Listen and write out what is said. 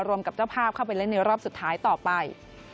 กับเจ้าภาพเข้าไปเล่นในรอบสุดท้ายต่อไป